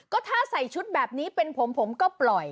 ก็ถ้าใส่ชุดแบบนี้เป็นผมผมก็ปล่อย